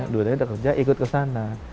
dua dari udah kerja ikut ke sana